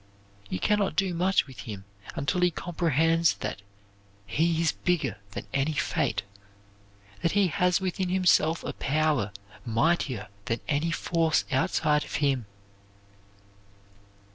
You can not do much with him until he comprehends that he is bigger than any fate; that he has within himself a power mightier than any force outside of him.